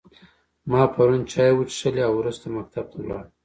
ما پرون چای وچیښلی او وروسته مکتب ته ولاړم